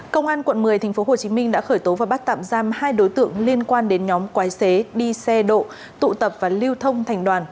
công an quận một mươi tp hcm đã khởi tố và bắt tạm giam hai đối tượng liên quan đến nhóm quái xế đi xe độ tụ tập và lưu thông thành đoàn